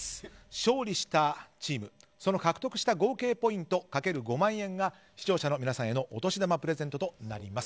勝利したチーム、その獲得した合計ポイント×５万円が視聴者の皆さんへのお年玉プレゼントとなります。